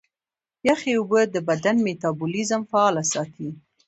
یخي اوبه د بدن میتابولیزم فعاله ساتي.